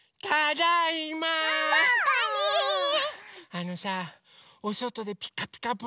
あのさおそとで「ピカピカブ！」